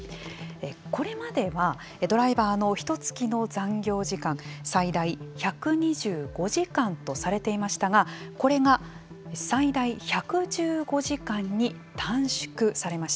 これまではドライバーのひとつきの残業時間最大１２５時間とされていましたがこれが最大１１５時間に短縮されました。